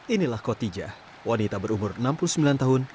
inilah kotijah wanita berumur enam puluh sembilan tahun